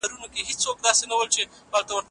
غوره ویاړ یوازي مستحقو ته نه سي سپارل کېدلای.